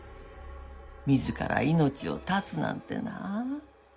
自ら命を絶つなんてなあ。